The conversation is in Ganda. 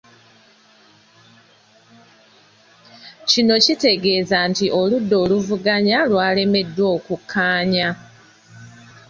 Kino kitegeeza nti oludda oluvuganya lwalemeddwa okukkaanya.